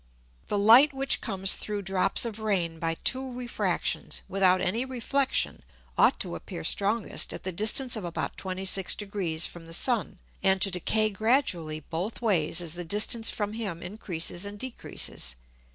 The Light which comes through drops of Rain by two Refractions without any Reflexion, ought to appear strongest at the distance of about 26 Degrees from the Sun, and to decay gradually both ways as the distance from him increases and decreases.